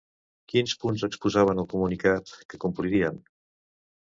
Quins punts exposaven al comunicat que complirien?